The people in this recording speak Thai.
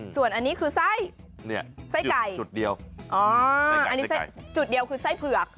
ส่วนอันนี้คือไส้ไส้ไก่จุดเดียวอ๋ออันนี้จุดเดียวคือไส้เผือก